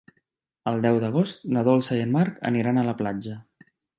El deu d'agost na Dolça i en Marc aniran a la platja.